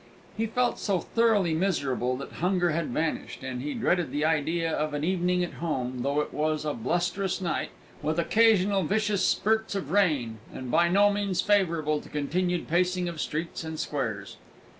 He felt so thoroughly miserable that hunger had vanished, and he dreaded the idea of an evening at home, though it was a blusterous night, with occasional vicious spirts of rain, and by no means favourable to continued pacing of streets and squares.